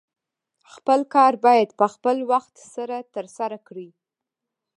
خپل کار باید په خپل وخت سره ترسره کړې